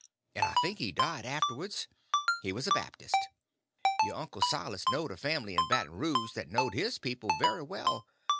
And I think he died afterwards. He was a Baptist. Your uncle Silas knowed a family in Baton Rouge that knowed his people very well.